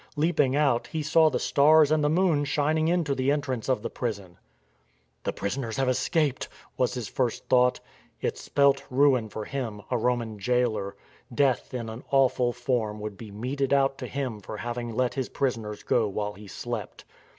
Leaping out, he saw the stars and the moon shining into the entrance of the prison. " The prisoners have escaped," was his first thought. It spelt ruin for him, a Roman jailer. Death in an awful forrn would be meted out to him for having let his prisoners go while he slept.